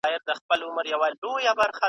٬ نو په ږیره يې لاس راکښو